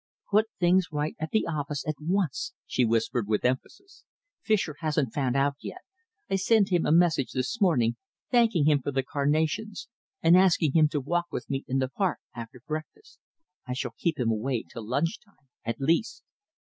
'" "Put things right at the office at once," she whispered with emphasis. "Fischer hasn't found out yet. I sent him a message this morning, thanking him for the carnations, and asking him to walk with me in the park after breakfast, I shall keep him away till lunch time, at least."